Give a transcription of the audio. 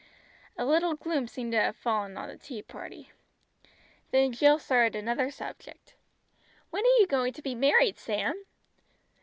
A little gloom seemed to have fallen on the tea party. Then Jill started another subject. "When are you going to be married, Sam?"